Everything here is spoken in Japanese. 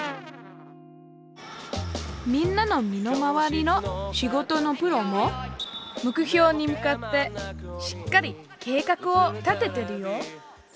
みんなの身の回りの仕事のプロも目標に向かってしっかり計画を立ててるよ！